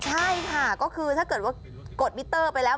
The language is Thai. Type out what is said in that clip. ใช่ค่ะก็คือถ้าเกิดว่ากดมิเตอร์ไปแล้ว